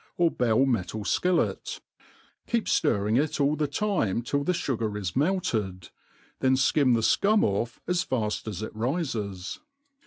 or bell metal ikillet ; keep (lirring it all the time till the fugar is melted, t hen fkim the fcum off as fail as it rifes.